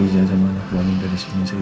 semoga kita juga dikasih kekuatan